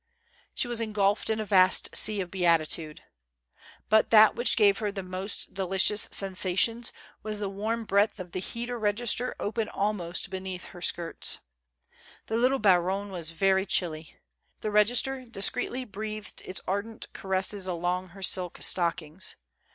She was engulfed in a vast sea of beatitude. But that which gave her the most delicious sensations was the warm breath of the heater register open almost beneath her skirts. The little baronne was very chilly. Tlie register discreetly breathed its ardent caresses along her silk stockings.